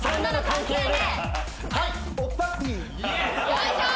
よいしょ！